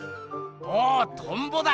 おおトンボだ！